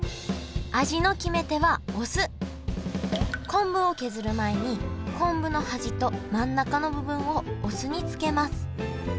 昆布を削る前に昆布の端と真ん中の部分をお酢に漬けます。